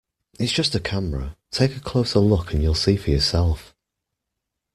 It's just a camera, take a closer look and you'll see for yourself.